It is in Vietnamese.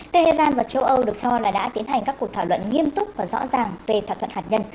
tehran và châu âu được cho là đã tiến hành các cuộc thảo luận nghiêm túc và rõ ràng về thỏa thuận hạt nhân